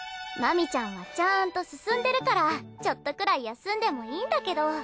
真美ちゃんはちゃんと進んでるからちょっとくらい休んでもいいんだけど。